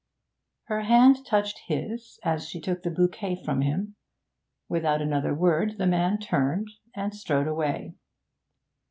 Her hand touched his as she took the bouquet from him. Without another word the man turned and strode away.